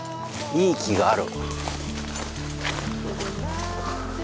いい木がある。